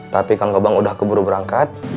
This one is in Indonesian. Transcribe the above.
tapi kang gobang udah keburu berangkat